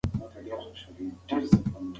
موږ په ښوونځي کې ډېر نوي ملګري پیدا کړل.